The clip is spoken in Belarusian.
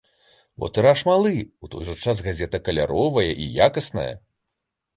Бо тыраж малы, у той жа час газета каляровая і якасная.